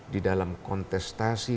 di dalam kontestasi